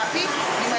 saya ingin mencoba